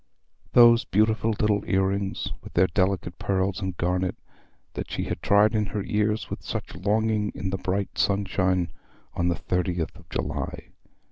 Those beautiful little ear rings, with their delicate pearls and garnet, that she had tried in her ears with such longing in the bright sunshine on the 30th of July!